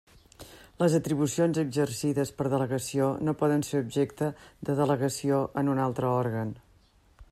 Les atribucions exercides per delegació no poden ser objecte de delegació en un altre òrgan.